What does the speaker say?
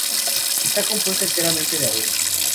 Está compuesta enteramente de arena.